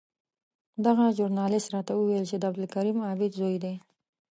دغه ژورنالېست راته وویل چې د عبدالکریم عابد زوی دی.